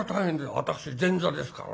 私前座ですからね。